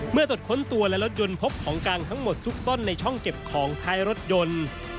ตรวจค้นตัวและรถยนต์พบของกลางทั้งหมดซุกซ่อนในช่องเก็บของท้ายรถยนต์